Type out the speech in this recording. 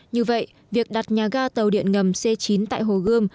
như vậy việc đặt nhà ga tàu điện ngầm c chín tại hồ gươm